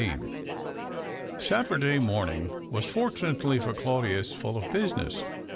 Saturday morning was, fortunately for Claudius, full of business.